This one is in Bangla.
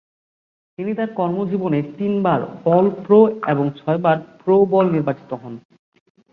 তিনি তার কর্মজীবনে তিনবার অল-প্রো এবং ছয়বার প্রো বোল নির্বাচিত হন।